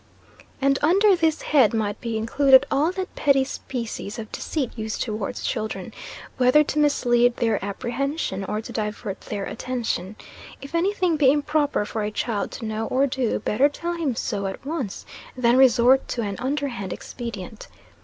And under this head might be included all that petty species of deceit used towards children, whether to mislead their apprehension, or to divert their attention. If any thing be improper for a child to know or do, better tell him so at once, than resort to an underhand expedient.